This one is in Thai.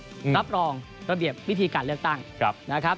รับรองระเบียบวิธีการเลือกตั้งนะครับ